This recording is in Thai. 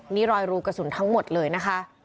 นี่รอยรูกระสุนทั้งหมดเลยนะคะ